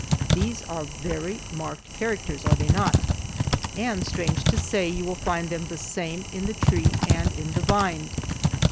These are very marked characters, are they not? And, strange to say, you will find them the same in the tree and in the vine.